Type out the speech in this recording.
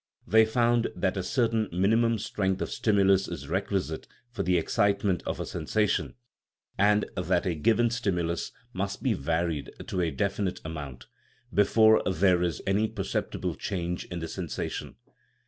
They found that a certain minimum strength of stimulus is requisite for the excitement of a sensation, and that a 97 THE RIDDLE OF THE UNIVERSE given stimulus must be varied to a definite amount before there is any perceptible change in the sensation.